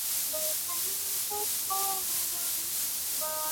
فنا یو سو و خلوت ته نور له دې ذاهد مکاره,